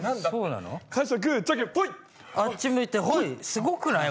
すごくない？